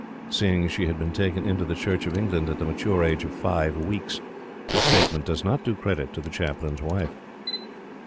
Seeing she had been taken into the Church of England at the mature age of five weeks, this statement does not do credit to the Chaplain's wife.